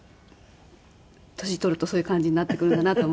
年取るとそういう感じになってくるんだなと思っています。